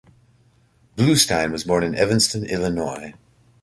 Bluestein was born in Evanston, Illinois.